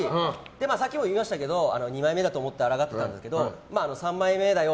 さっきも言いましたけど２枚目だと思って抗っていたんですけど３枚目だよ